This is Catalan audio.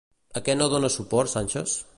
A què no dona suport Sánchez?